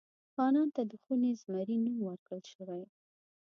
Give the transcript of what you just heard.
خانان ته د خوني زمري نوم ورکړل شوی.